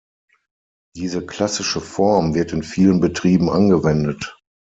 Diese klassische Form wird in vielen Betrieben angewendet.